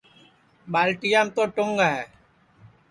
ٻالٹیام تو ٹُنٚگ ہے